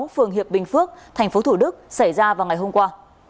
phường hiệp bình phước tp thủ đức xảy ra vào ngày hôm qua